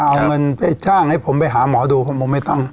เอาเงินไปจ้างให้ผมไปหาหมอดูผมไม่ต้อง